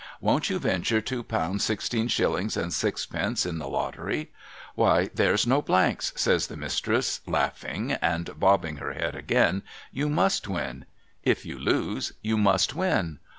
' ^Von't you venture two pound sixteen shillings and sixpence in the Lottery ? Why, there's no blanks !' says the Mistress, laughing and bobbing her head again, ' you must win. If you lose, you must win